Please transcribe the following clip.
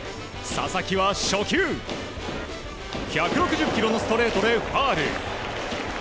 佐々木は初球１６０キロのストレートでファウル。